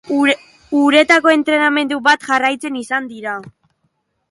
Uretako entrenamendu bat jarraitzen izan dira.